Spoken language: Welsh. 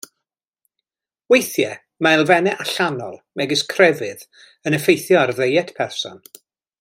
Weithiau mae elfennau allanol megis crefydd yn effeithio ar ddiet person.